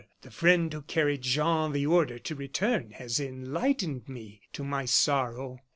The friend who carried Jean the order to return has enlightened me, to my sorrow.